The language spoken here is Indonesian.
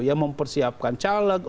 ya mempersiapkan caleg orientasi